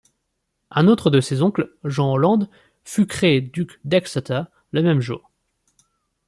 Un autre de ses oncles, Jean Holland, fut créé duc d'Exeter le même jour.